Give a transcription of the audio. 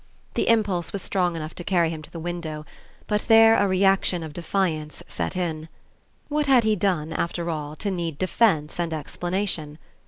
The impulse was strong enough to carry him to the window; but there a reaction of defiance set in. What had he done, after all, to need defence and explanation?